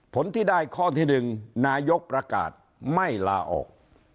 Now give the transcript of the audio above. ผลที่ได้ข้อที่๑นายกประกาศไม่ลาออก